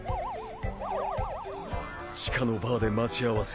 地下のバーで待ち合わせ。